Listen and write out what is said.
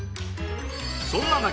そんな中